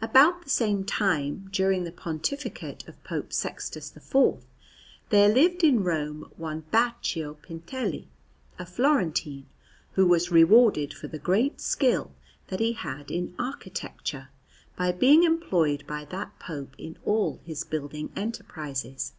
About the same time, during the pontificate of Pope Sixtus IV, there lived in Rome one Baccio Pintelli, a Florentine, who was rewarded for the great skill that he had in architecture by being employed by that Pope in all his building enterprises.